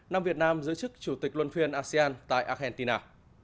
năm việt nam giữ chức chủ tịch luân phiên asean tại argentina